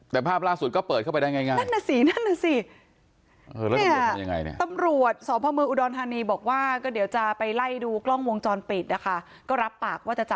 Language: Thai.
แต่ภาพล่าสุดก็เปิดเข้าไปได้ง่าย